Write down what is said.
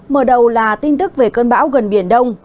mở đầu là tin tức về cơn bão gần biển đông